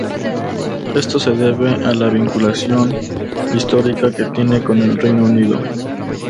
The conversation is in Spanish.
Esto se debe a la vinculación histórica que tiene con el Reino Unido.